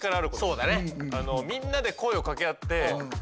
そうだね。